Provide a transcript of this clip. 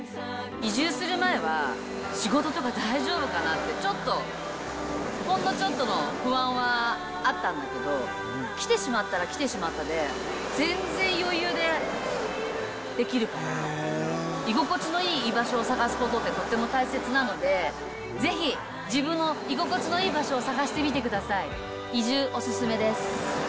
移住する前は、仕事とか大丈夫かなって、ちょっと、ほんのちょっとの不安はあったんだけど、来てしまったら、来てしまったで、全然余裕でできるから、居心地のいい居場所を探すことってとっても大切なので、ぜひ、自分の居心地のいい場所を探してみてください。